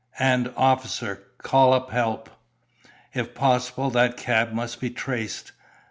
"And, officer, call up help. If possible, that cab must be traced.